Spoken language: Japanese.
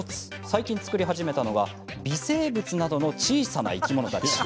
最近、作り始めたのが微生物などの小さな生き物たち。